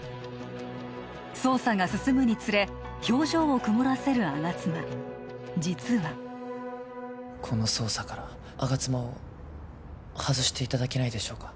捜査が進むにつれ表情を曇らせる吾妻実はこの捜査から吾妻を外していただけないでしょうか